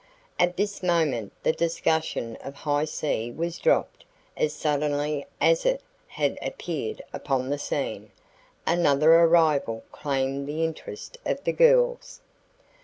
At this moment the discussion of "High C" was dropped as suddenly as "it" had appeared upon the scene. Another arrival claimed the interest of the girls.